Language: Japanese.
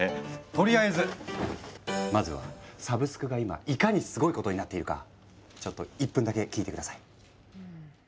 とりあえずまずはサブスクが今いかにスゴいことになっているかちょっと１分だけ聞いて下さい。